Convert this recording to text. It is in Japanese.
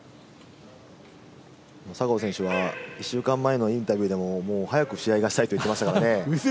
佐合選手は１週間前のインタビューでも早く試合がしたいと言っていましたからね。